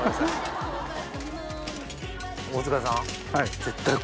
はい。